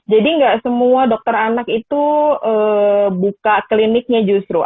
jadi nggak semua dokter anak itu buka kliniknya justru